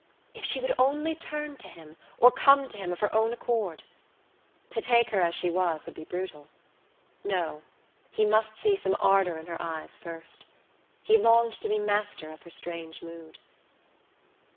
If she would only turn to him or come to him of her own accord! To take her as she was would be brutal. No, he must see some ardour in her eyes first. He longed to be master of her strange mood.